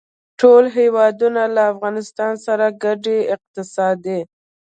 ټول هېوادونه له افغانستان سره ګډې اقتصادي